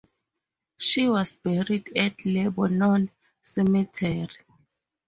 She was buried at Lebanon Cemetery.